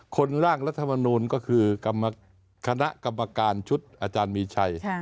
ร่างรัฐมนูลก็คือคณะกรรมการชุดอาจารย์มีชัย